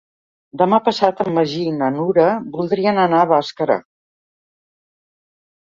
Demà passat en Magí i na Nura voldrien anar a Bàscara.